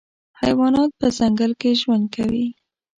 حیوانات په ځنګل کي ژوند کوي.